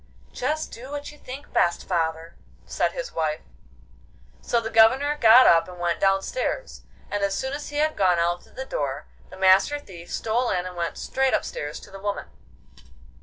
'Just do what you think best, father,' said his wife. So the Governor got up and went downstairs, and as soon as he had gone out through the door, the Master Thief stole in and went straight upstairs to the woman.